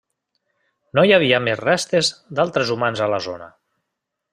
No hi havia més restes d'altres humans a la zona.